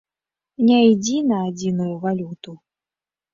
Не ідзі на адзіную валюту!